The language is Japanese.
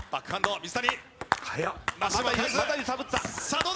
水谷！